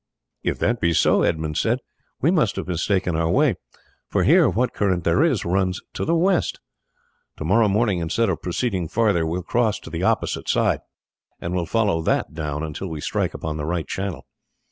"If that be so," Edmund said, "we must have mistaken our way, for here what current there is runs to the west. To morrow morning, instead of proceeding farther, we will cross to the opposite side, and will follow that down until we strike upon the right channel."